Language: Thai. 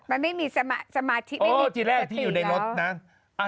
มันไม่มีสมาธิไม่มีโทษที่แรกที่อยู่ในรถนะ